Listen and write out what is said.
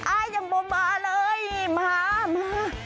โอ้ยชังมัวมาเลยมามา